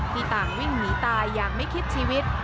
ที่ต่างวิ่งหนีตายอย่างไม่คิดชีวิต